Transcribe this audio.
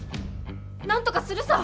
なんとかするさ！